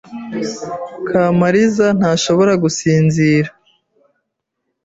Kamariza ntashobora gusinzira.